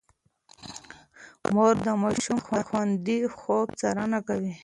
مور د ماشوم د خوندي خوب څارنه کوي.